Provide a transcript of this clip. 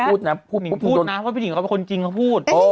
นิ่งพูดนะเพราะพี่นิ่งเขาเป็นคนจริงเขาพูด